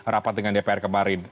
rapat dengan dpr kemarin